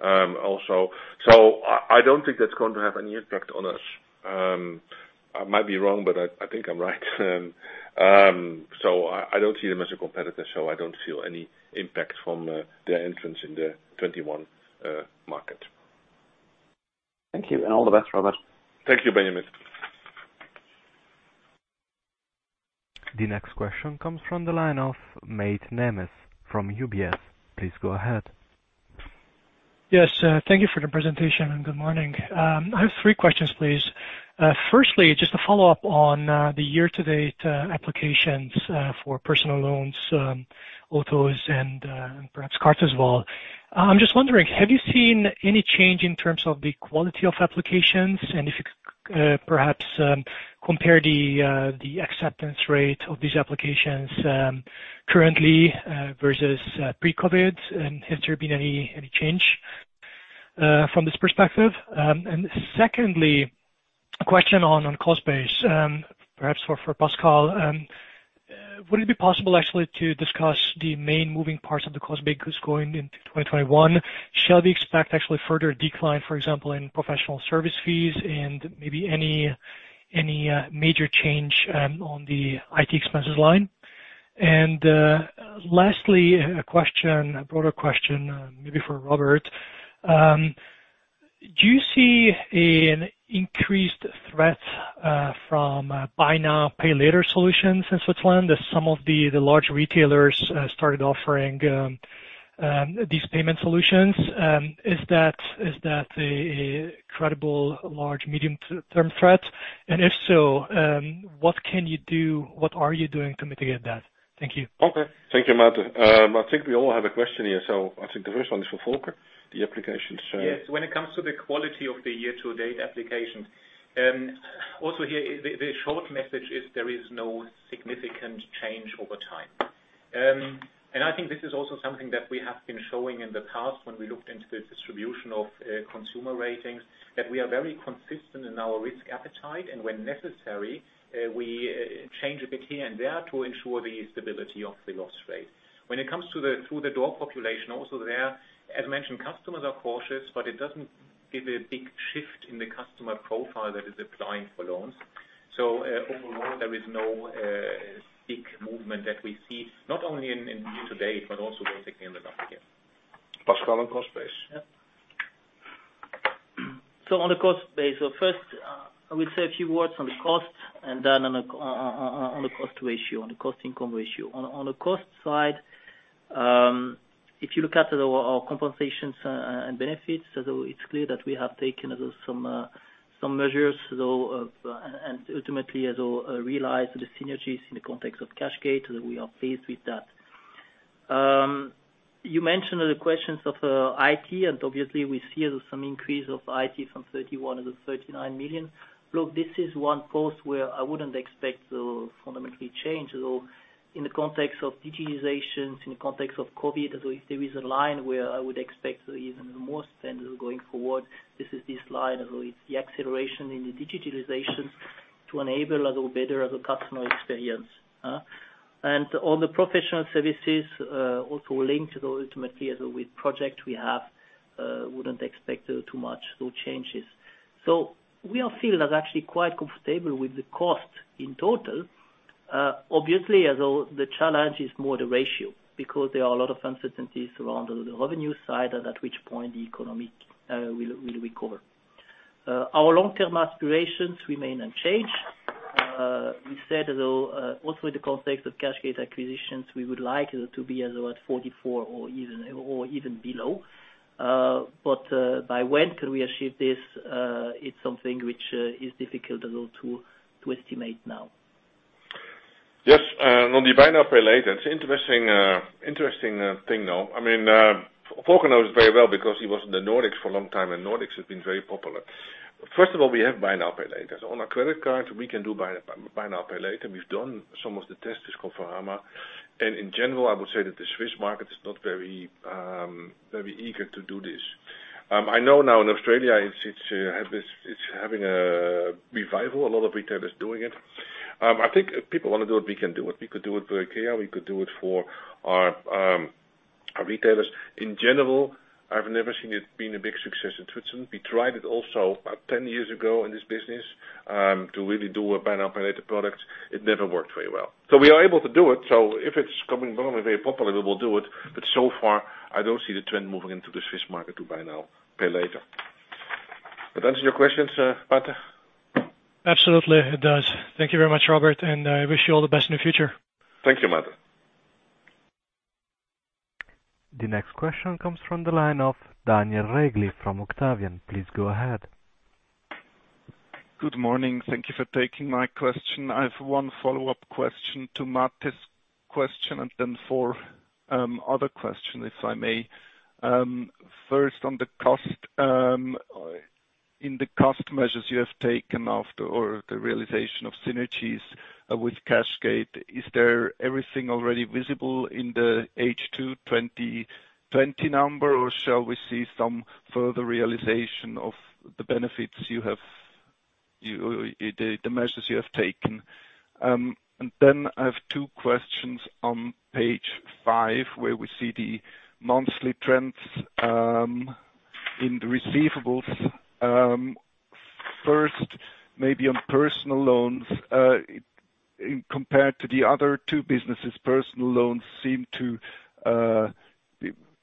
[SPEAKER 2] I don't think that's going to have any impact on us. I might be wrong, but I think I'm right. I don't see them as a competitor, so I don't feel any impact from their entrance in the 2021 market.
[SPEAKER 7] Thank you and all the best, Robert.
[SPEAKER 2] Thank you, Benjamin.
[SPEAKER 1] The next question comes from the line of Mate Nemes from UBS. Please go ahead.
[SPEAKER 8] Yes. Thank you for the presentation. Good morning. I have three questions, please. Firstly, just a follow-up on the year-to-date applications for personal loans, autos, and perhaps cars as well. I'm just wondering, have you seen any change in terms of the quality of applications? If you could perhaps compare the acceptance rate of these applications currently versus pre-COVID-19, and has there been any change from this perspective? Secondly, a question on cost base perhaps for Pascal. Would it be possible actually to discuss the main moving parts of the cost base going into 2021? Shall we expect actually further decline, for example, in professional service fees and maybe any major change on the IT expenses line? Lastly, a broader question maybe for Robert. Do you see an increased threat from buy now, pay later solutions in Switzerland as some of the large retailers started offering these payment solutions? Is that a credible large medium-term threat? If so, what can you do, what are you doing to mitigate that? Thank you.
[SPEAKER 2] Okay. Thank you, Mate. I think we all have a question here. I think the first one is for Volker.
[SPEAKER 4] Yes. When it comes to the quality of the year-to-date applications. Also here, the short message is there is no significant change over time. I think this is also something that we have been showing in the past when we looked into the distribution of consumer ratings, that we are very consistent in our risk appetite, and when necessary, we change a bit here and there to ensure the stability of the loss rate. When it comes to the door population, also there, as mentioned, customers are cautious, but it doesn't give a big shift in the customer profile that is applying for loans. Overall, there is no big movement that we see, not only in year-to-date but also basically in the last year.
[SPEAKER 2] Pascal on cost base.
[SPEAKER 3] On the cost base. First, I will say a few words on the cost and then on the cost ratio, on the cost-income ratio. On the cost side, if you look at our compensations and benefits, it's clear that we have taken some measures, and ultimately realized the synergies in the context of cashgate, that we are faced with that. You mentioned the questions of IT, and obviously we see some increase of IT from 31 million to 39 million. Look, this is one post where I wouldn't expect to fundamentally change. In the context of digitalizations, in the context of COVID, if there is a line where I would expect even more spend going forward, this is this line. It's the acceleration in the digitalizations to enable a little better of a customer experience. On the professional services, also linked ultimately with project we have, wouldn't expect too much changes. We are feeling actually quite comfortable with the cost in total. Obviously, the challenge is more the ratio because there are a lot of uncertainties around the revenue side and at which point the economy will recover. Our long-term aspirations remain unchanged. We said, also in the context of cashgate acquisitions, we would like to be at about 44 or even below. By when can we achieve this? It's something which is difficult to estimate now.
[SPEAKER 2] Yes. On the buy now, pay later, it's interesting thing though. Volker knows very well because he was in the Nordics for a long time, and Nordics has been very popular. First of all, we have buy now, pay later. On our credit card, we can do buy now, pay later, and we've done some of the tests with. In general, I would say that the Swiss market is not very eager to do this. I know now in Australia it's having a revival, a lot of retailers doing it. I think if people want to do it, we can do it. We could do it for IKEA. We could do it for our retailers. In general, I've never seen it been a big success in Switzerland. We tried it also about 10 years ago in this business, to really do a buy now, pay later product. It never worked very well. We are able to do it, so if it's becoming very popular, we will do it, but so far, I don't see the trend moving into the Swiss market to buy now, pay later. That answer your questions, Mate?
[SPEAKER 8] Absolutely, it does. Thank you very much, Robert, and I wish you all the best in the future.
[SPEAKER 2] Thank you, Mate.
[SPEAKER 1] The next question comes from the line of Daniel Regli from Octavian. Please go ahead.
[SPEAKER 9] Good morning. Thank you for taking my question. I have one follow-up question to Mate's question, then four other question, if I may. First on the cost. In the cost measures you have taken after, or the realization of synergies with cashgate, is there everything already visible in the H2 2020 number, or shall we see some further realization of the benefits The measures you have taken. I have two questions on page five, where we see the monthly trends in the receivables. First, maybe on personal loans, compared to the other two businesses, personal loans seem to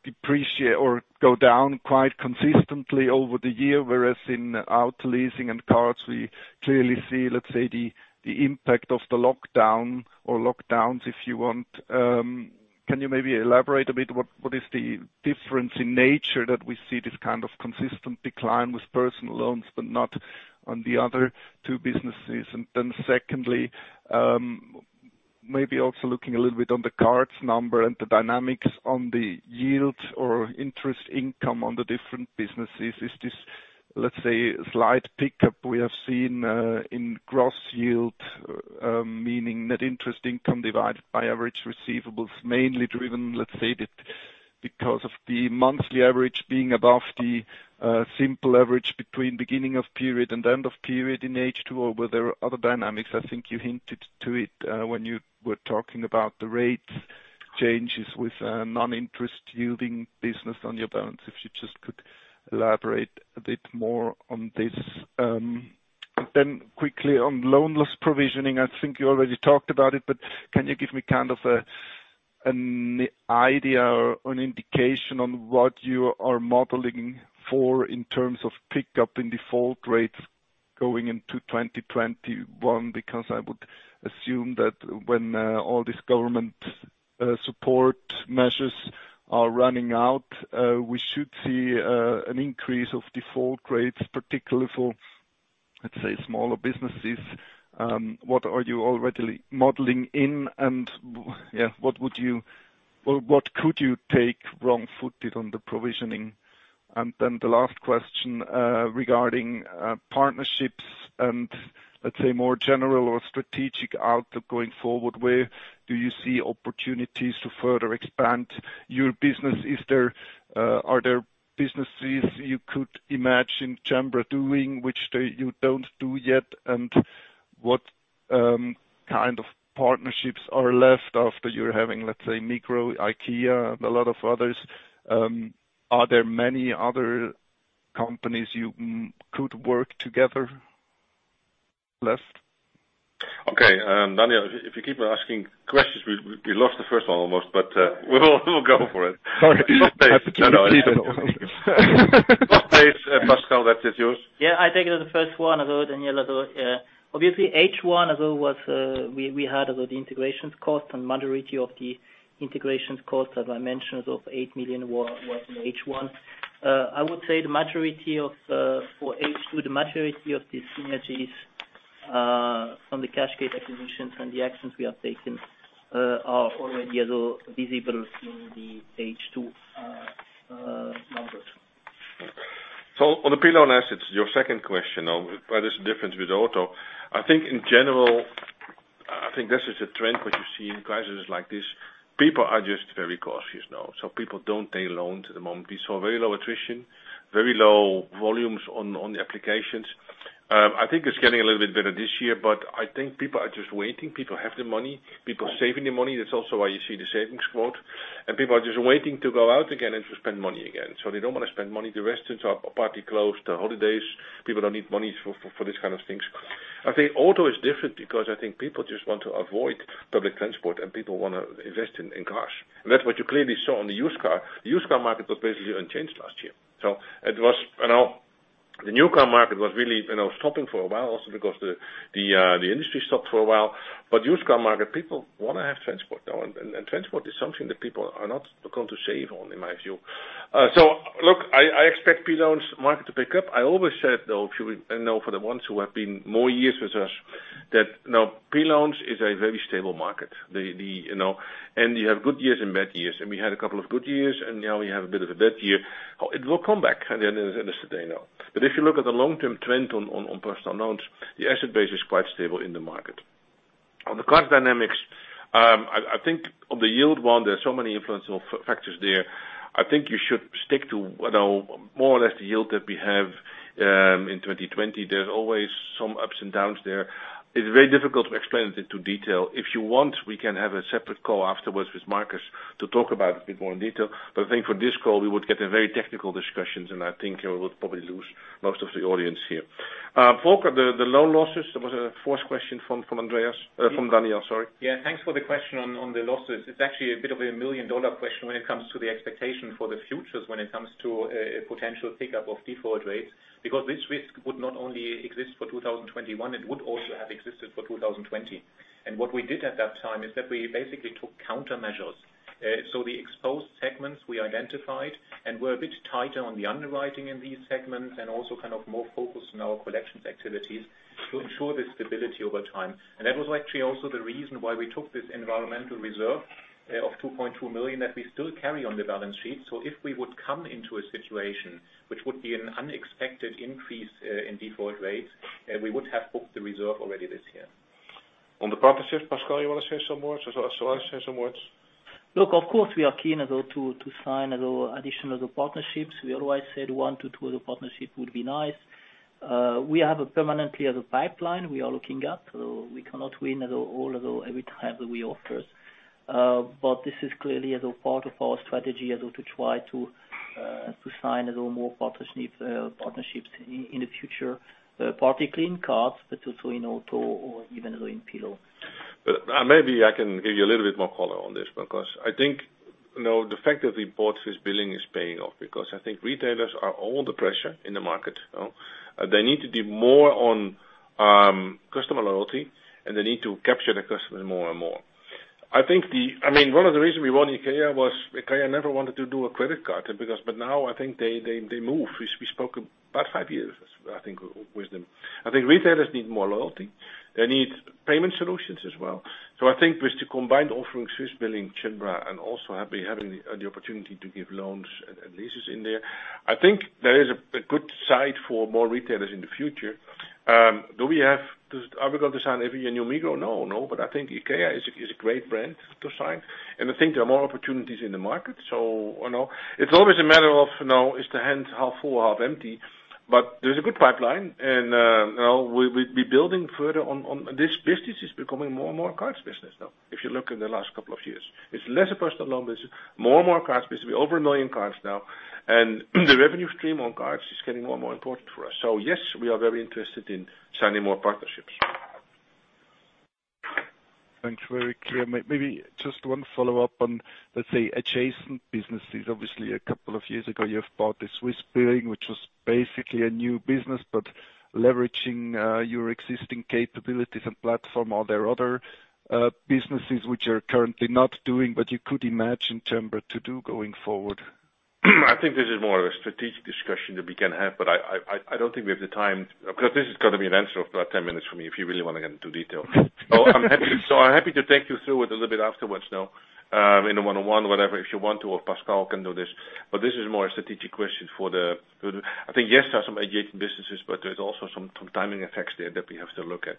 [SPEAKER 9] depreciate or go down quite consistently over the year, whereas in auto leasing and cards, we clearly see, let's say, the impact of the lockdown or lockdowns, if you want. Can you maybe elaborate a bit, what is the difference in nature that we see this kind of consistent decline with personal loans, but not on the other two businesses? Secondly, maybe also looking a little bit on the cards number and the dynamics on the yield or interest income on the different businesses. Is this, let's say, slight pickup we have seen, in gross yield, meaning net interest income divided by average receivables, mainly driven because of the monthly average being above the simple average between beginning of period and end of period in H2, or were there other dynamics? I think you hinted to it when you were talking about the rates changes with non-interest yielding business on your balance. If you just could elaborate a bit more on this. Quickly on loan loss provisioning, I think you already talked about it, but can you give me kind of an idea or an indication on what you are modeling for in terms of pickup in default rates going into 2021? I would assume that when all this government support measures are running out, we should see an increase of default rates, particularly for, let's say, smaller businesses. What are you already modeling in, what could you take wrong footed on the provisioning? The last question, regarding partnerships and, let's say, more general or strategic outlook going forward, where do you see opportunities to further expand your business? Are there businesses you could imagine Cembra doing which you don't do yet? What kind of partnerships are left after you're having, let's say, Migros, IKEA, and a lot of others. Are there many other companies you could work together left?
[SPEAKER 2] Okay. Daniel, if you keep on asking questions, we lost the first one almost, but we'll go for it.
[SPEAKER 9] Sorry. I have to keep it.
[SPEAKER 2] Pascal, that is yours.
[SPEAKER 3] I take it as the first one, Daniel. Obviously, H1, we had the integrations cost and majority of the integrations cost, as I mentioned, of 8 million was in H1. I would say for H2, the majority of the synergies from the cashgate acquisitions and the actions we have taken are already visible in the H2 numbers.
[SPEAKER 2] On the pre-loan assets, your second question on why there's a difference with auto. I think in general, I think this is a trend what you see in crises like this. People are just very cautious now, people don't take loans at the moment. We saw very low attrition, very low volumes on the applications. I think it's getting a little bit better this year, I think people are just waiting. People have the money. People are saving the money. That's also why you see the savings quote, people are just waiting to go out again and to spend money again. They don't want to spend money. The restaurants are partly closed. The holidays, people don't need money for these kind of things. I think auto is different because I think people just want to avoid public transport and people want to invest in cars. That's what you clearly saw on the used car. The used car market was basically unchanged last year. The new car market was really stopping for a while, also because the industry stopped for a while. Used car market, people want to have transport now, and transport is something that people are not going to save on, in my view. Look, I expect personal loans market to pick up. I always said, though, for the ones who have been more years with us, that personal loans is a very stable market. You have good years and bad years, and we had a couple of good years, and now we have a bit of a bad year. It will come back at the end of the day. If you look at the long-term trend on personal loans, the asset base is quite stable in the market. On the card dynamics, I think on the yield one, there are so many influential factors there. I think you should stick to more or less the yield that we have, in 2020. There's always some ups and downs there. It's very difficult to explain it into detail. If you want, we can have a separate call afterwards with Marcus to talk about it a bit more in detail. I think for this call, we would get a very technical discussion, and I think we would probably lose most of the audience here. Volker, the loan losses, that was a fourth question from Andreas, from Daniel, sorry.
[SPEAKER 4] Thanks for the question on the losses. It's actually a bit of a million-dollar question when it comes to the expectation for the future, when it comes to a potential pickup of default rates. Because this risk would not only exist for 2021, it would also have existed for 2020. What we did at that time is that we basically took countermeasures. The exposed segments we identified and were a bit tighter on the underwriting in these segments and also kind of more focused on our collections activities to ensure the stability over time. That was actually also the reason why we took this environmental reserve of 2.2 million that we still carry on the balance sheet. If we would come into a situation which would be an unexpected increase in default rates, we would have booked the reserve already this year.
[SPEAKER 2] On the partnership, Pascal, you want to say some words, or shall I say some words?
[SPEAKER 3] Of course, we are keen to sign additional partnerships. We always said one to two other partnerships would be nice. We have permanently as a pipeline we are looking at, we cannot win every time that we offer. This is clearly part of our strategy to try to sign a little more partnerships in the future, particularly in cards, but also in auto or even in personal loan.
[SPEAKER 2] Maybe I can give you a little bit more color on this, because I think the fact that we bought Swissbilling is paying off, because I think retailers are all the pressure in the market. They need to do more on customer loyalty, and they need to capture the customer more and more. One of the reasons we wanted IKEA was IKEA never wanted to do a credit card. Now I think they move. We spoke about five years, I think, with them. I think retailers need more loyalty. They need payment solutions as well. I think with the combined offering, Swissbilling, Cembra, and also having the opportunity to give loans and leases in there, I think there is a good side for more retailers in the future. Are we going to sign every new Migros? No. I think IKEA is a great brand to sign, and I think there are more opportunities in the market. It's always a matter of, is the hand half full or half empty? There's a good pipeline, and we're building further on. This business is becoming more and more a cards business now, if you look in the last couple of years. It's less a personal loan business, more and more a cards business. We have over a million cards now, and the revenue stream on cards is getting more and more important for us. Yes, we are very interested in signing more partnerships.
[SPEAKER 9] Thanks. Very clear. Maybe just one follow-up on, let's say, adjacent businesses. Obviously, a couple of years ago, you have bought the Swissbilling, which was basically a new business, but leveraging your existing capabilities and platform. Are there other businesses which you're currently not doing but you could imagine Cembra to do going forward?
[SPEAKER 2] I think this is more of a strategic discussion that we can have, but I don't think we have the time, because this is going to be an answer of about 10 minutes for me, if you really want to get into detail. I'm happy to take you through it a little bit afterwards, in a one-on-one, whatever, if you want to, or Pascal can do this. This is more a strategic question for the I think, yes, there are some adjacent businesses, but there's also some timing effects there that we have to look at.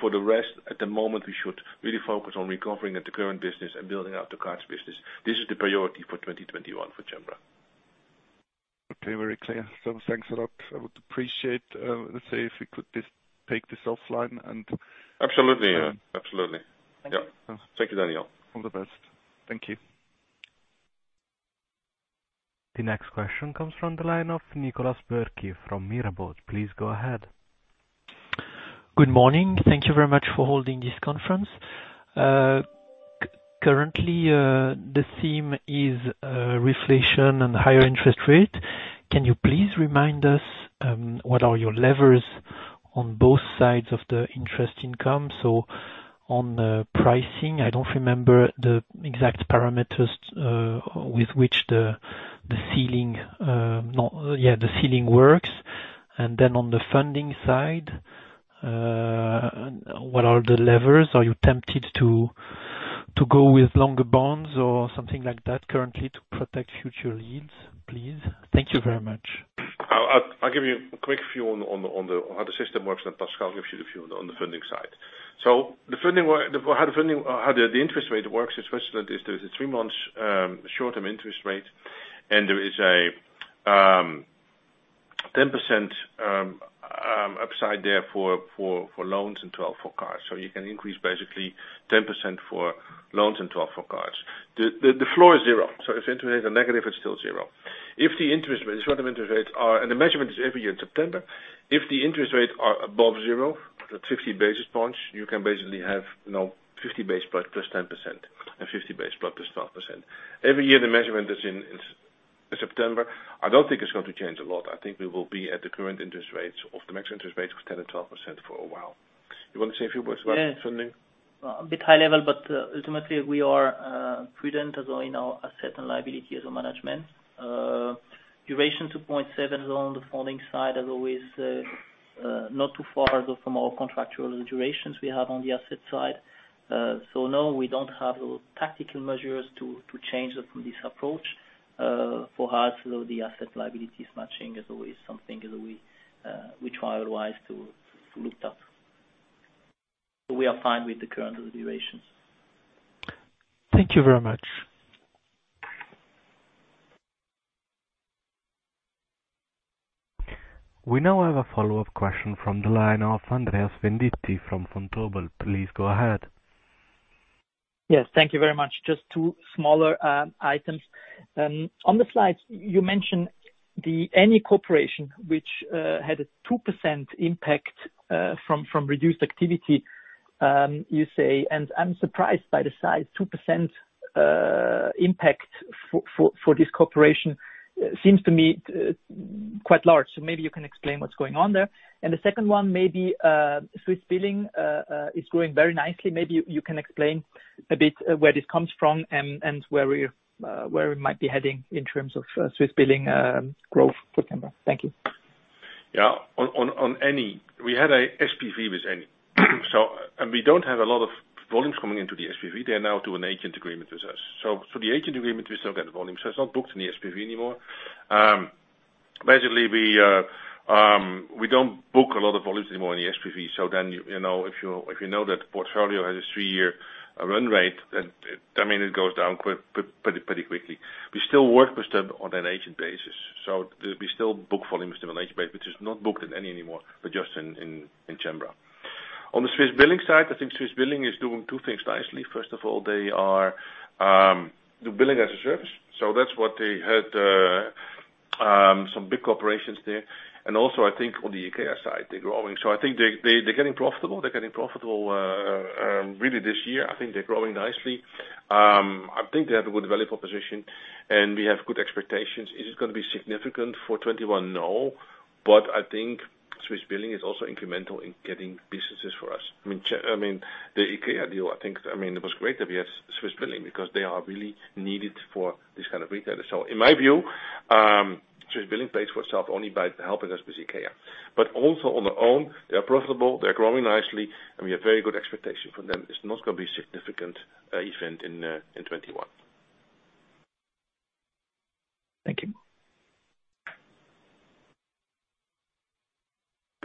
[SPEAKER 2] For the rest, at the moment, we should really focus on recovering at the current business and building out the cards business. This is the priority for 2021 for Cembra.
[SPEAKER 9] Okay, very clear. Thanks a lot. I would appreciate, let's say, if we could just take this offline.
[SPEAKER 2] Absolutely. Yep.
[SPEAKER 9] Thank you.
[SPEAKER 2] Thank you, Daniel.
[SPEAKER 9] All the best. Thank you.
[SPEAKER 1] The next question comes from the line of Nicolas Bürki from Mirabaud. Please go ahead.
[SPEAKER 10] Good morning. Thank you very much for holding this conference. Currently, the theme is reflation and higher interest rate. Can you please remind us what are your levers on both sides of the interest income? On the pricing, I don't remember the exact parameters, with which the ceiling works. On the funding side, what are the levers? Are you tempted to go with longer bonds or something like that currently to protect future yields, please? Thank you very much.
[SPEAKER 2] I'll give you a quick view on how the system works, then Pascal will give you the view on the funding side. How the interest rate works in Switzerland is there's a three months short-term interest rate, and there is a 10% upside there for loans and 12% for cards. You can increase basically 10% for loans and 12% for cards. The floor is zero, so if the interest rate is a negative, it's still zero. If the short-term interest rates are, and the measurement is every year in September, if the interest rates are above zero, that 50 basis points, you can basically have 50 base plus 10%, and 50 base plus 12%. Every year, the measurement is in September. I don't think it's going to change a lot. I think we will be at the current interest rates of the max interest rates of 10% and 12% for a while. You want to say a few words about funding?
[SPEAKER 3] A bit high level, ultimately, we are prudent in our asset and liability as a management. Duration 2.7 along the funding side, as always, not too far from our contractual durations we have on the asset side. No, we don't have tactical measures to change from this approach. For us, the asset liability matching is always something that we try always to look at. We are fine with the current durations.
[SPEAKER 10] Thank you very much.
[SPEAKER 1] We now have a follow-up question from the line of Andreas Venditti from Vontobel. Please go ahead.
[SPEAKER 5] Thank you very much. Just two smaller items. On the slides, you mentioned the NN Corporation, which had a 2% impact from reduced activity, you say, I'm surprised by the size, 2% impact for this corporation seems to me quite large. Maybe you can explain what's going on there. The second one, maybe Swissbilling is growing very nicely. Maybe you can explain a bit where this comes from and where we might be heading in terms of Swissbilling growth for Cembra. Thank you.
[SPEAKER 2] Yeah. On NN. We had a SPV with NN. We don't have a lot of volumes coming into the SPV. They are now to an agent agreement with us. For the agent agreement, we still get the volume, so it's not booked in the SPV anymore. Basically, we don't book a lot of volumes anymore in the SPV. If you know that portfolio has a three-year run rate, it goes down pretty quickly. We still work with them on an agent basis. We still book volumes with them on agent base, which is not booked in NN anymore, but just in Cembra. On the Swissbilling side, I think Swissbilling is doing two things nicely. First of all, they are the billing as a service, so that's what they had some big corporations there. Also, I think on the IKEA side, they're growing. I think they are getting profitable. They are getting profitable really this year. I think they are growing nicely. I think they have a good value proposition, and we have good expectations. Is it going to be significant for 2021? No. I think Swissbilling is also incremental in getting businesses for us. The IKEA deal, it was great that we have Swissbilling because they are really needed for this kind of retailer. In my view, Swissbilling pays for itself only by helping us with IKEA. Also on their own, they are profitable, they are growing nicely, and we have very good expectation from them. It is not going to be a significant event in 2021.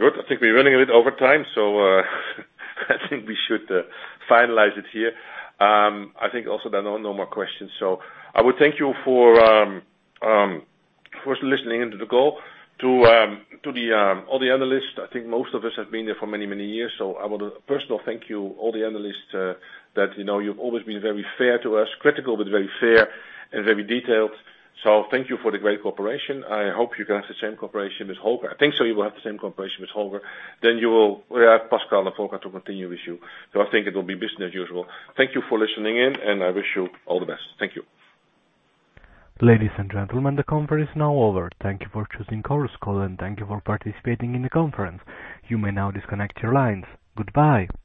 [SPEAKER 5] Thank you.
[SPEAKER 2] Good. I think we're running a bit over time. I think we should finalize it here. I think also there are no more questions. I would thank you for listening into the call. To all the analysts, I think most of us have been there for many, many years. I want to personally thank you, all the analysts, that you've always been very fair to us, critical, but very fair and very detailed. Thank you for the great cooperation. I hope you can have the same cooperation with Holger. I think so, you will have the same cooperation with Holger. We have Pascal and Holger to continue with you. I think it will be business as usual. Thank you for listening in, and I wish you all the best. Thank you.
[SPEAKER 1] Ladies and gentlemen, the conference is now over. Thank you for choosing Chorus Call, and thank you for participating in the conference. You may now disconnect your lines. Goodbye.